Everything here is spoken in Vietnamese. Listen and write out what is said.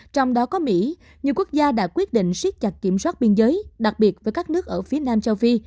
trong đó có mỹ nhiều quốc gia đã quyết định siết chặt kiểm soát biên giới đặc biệt với các nước ở phía nam châu phi